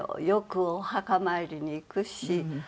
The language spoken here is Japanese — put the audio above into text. よくお墓参りに行くし。